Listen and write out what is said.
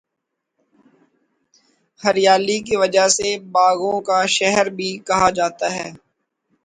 ہریالی کی وجہ سے باغوں کا شہر بھی کہا جاتا ہے